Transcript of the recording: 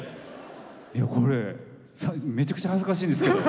これめちゃくちゃ恥ずかしいんですけど。